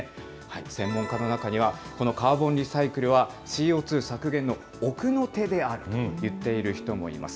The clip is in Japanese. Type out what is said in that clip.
専門家の中には、このカーボンリサイクルは、ＣＯ２削減の奥の手であると言っている人もいます。